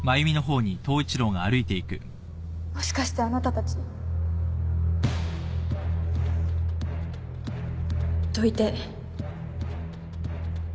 もしかしてあなたたち。どいて。